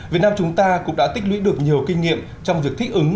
việt nam chúng ta cũng đã tích lũy được nhiều kinh nghiệm trong việc thích ứng